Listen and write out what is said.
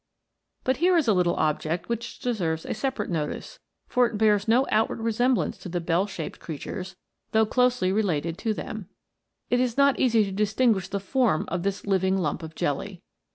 But here is a little object which deserves a sepa rate notice, for it bears no outward resemblance to the bell shaped creatures, though closely related to them. It is not easy to distinguish the form of this living lump of jelly.